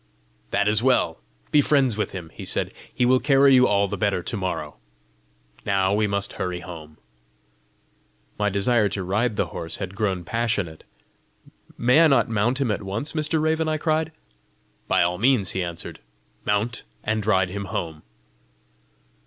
"That is well! be friends with him," he said: "he will carry you all the better to morrow! Now we must hurry home!" My desire to ride the horse had grown passionate. "May I not mount him at once, Mr. Raven?" I cried. "By all means!" he answered. "Mount, and ride him home."